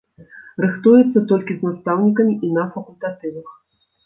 Рыхтуецца толькі з настаўнікамі і на факультатывах.